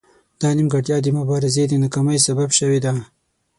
دا نیمګړتیا د مبارزې د ناکامۍ سبب شوې ده